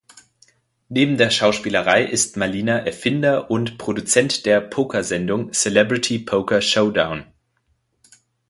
Neben der Schauspielerei ist Malina Erfinder und Produzent der Poker-Sendung "Celebrity Poker Showdown".